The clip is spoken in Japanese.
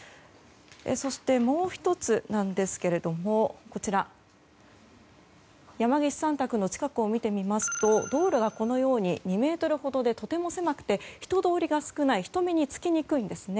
そして、もう１つなんですが山岸さん宅の近くを見てみると道路がこのように２ｍほどでとても狭くて人通りが少ない人目につきにくいんですね。